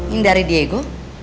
ini dari diego